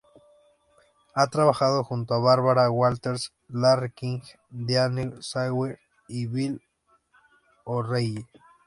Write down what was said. Ha trabajado junto a Barbara Walters, Larry King, Diane Sawyer y Bill O'Reilly.